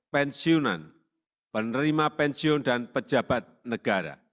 pensiunan penerima pensiun dan pejabat negara